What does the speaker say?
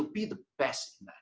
anda akan menjadi yang terbaik